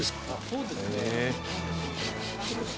そうですね。